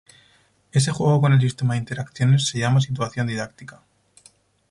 Ese juego con el sistema de interacciones se llama "situación didáctica".